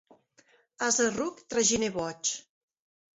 Ase ruc, traginer boig.